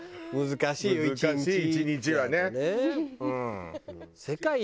難しいよ１日はねうん。